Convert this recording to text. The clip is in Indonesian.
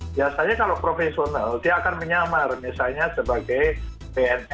biasanya kalau profesional dia akan menyamar misalnya sebagai bnn